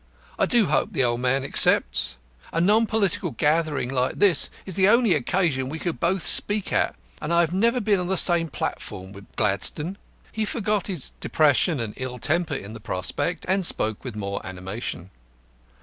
I do hope the old man accepts. A non political gathering like this is the only occasion we could both speak at, and I have never been on the same platform with Gladstone." He forgot his depression and ill temper in the prospect, and spoke with more animation.